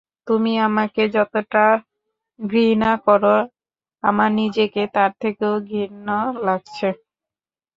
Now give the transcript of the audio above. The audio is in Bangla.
তুমি আমাকে যতটা ঘৃণা কর, আমার নিজেকে তার থেকেও ঘৃণ্য লাগছে।